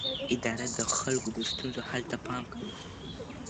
اداره د خلکو د ستونزو حل ته پام کوي.